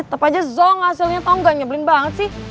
tetep aja zonk hasilnya tau gak nyebelin banget sih